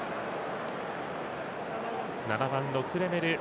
７番のクレメル。